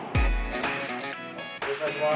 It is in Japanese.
よろしくお願いします。